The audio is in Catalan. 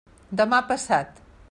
Demà passat.